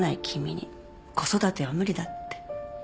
君に子育ては無理だって。